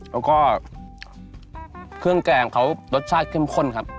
แล้วก็เครื่องแกงเขารสชาติเข้มข้นครับ